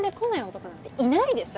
男なんていないでしょ。